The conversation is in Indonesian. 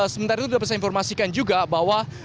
sementara itu dapat saya informasikan juga bahwa